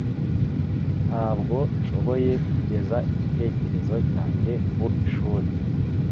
Ntabwo nashoboye kugeza igitekerezo cyanjye ku ishuri.